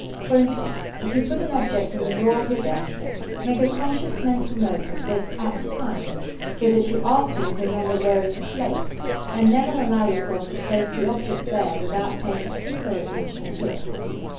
For instance, if you put an object in the drawer of your desk, make a conscious mental note of this at the lime, so that you afterward remember where it is placed, and never allow yourself to place the object there without paying particular attention to it.